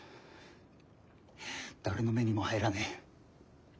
誰の目にも入らねえ。